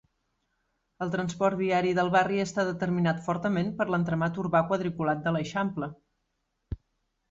El transport viari del barri està determinat fortament per l'entramat urbà quadriculat de l'Eixample.